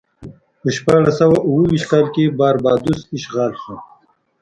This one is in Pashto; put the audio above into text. په شپاړس سوه اوه ویشت کال کې باربادوس اشغال شو.